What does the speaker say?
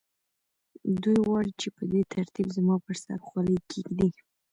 دوی غواړي چې په دې ترتیب زما پر سر خولۍ کېږدي